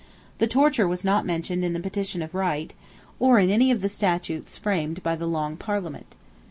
The torture was not mentioned in the Petition of Right, or in any of the statutes framed by the Long Parliament.